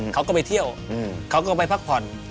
เขาก็ไปเที่ยวเขาก็ไปพักผ่อน